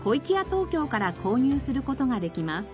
東京から購入する事ができます。